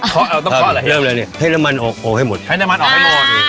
ขอต้องขออะไรเริ่มเลยนี่ให้น้ำมันโอ้งให้หมดให้น้ำมันออกให้หมดอ่า